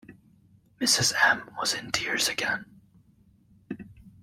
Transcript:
Mrs M was in tears again.